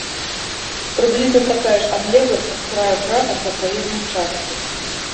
Прыблізна такая ж адлегласць ад краю кратак да праезнай часткі.